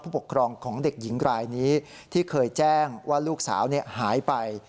ปกครองของเด็กหญิงรายนี้ที่เคยแจ้งว่าลูกสาวหายไป